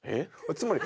つまり。